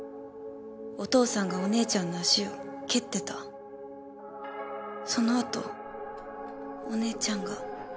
お父さんがお姉ちゃんの足を蹴ってたその後お姉ちゃんが